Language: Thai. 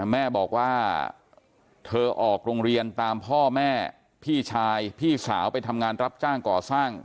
แม่บอกว่าเธอออกโรงเรียนตามพ่อแม่พี่ชายพี่สาวไปทำงานรับจ้างก่อสร้าง